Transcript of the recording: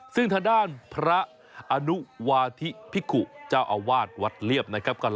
ซึ่งทางด้านพระอนุวาธิพิกุเจ้าอาวาสวัดเรียบนะครับ